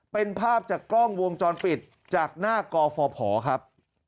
เป็นภาพจากกล้องวงจรปิดจากหน้ากฟภครับ